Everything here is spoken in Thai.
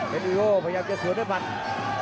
เป็นที่โว้วพยายามจะสวยด้วยปัดขวา